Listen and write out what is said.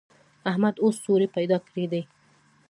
احمد اوس سوری پیدا کړی دی.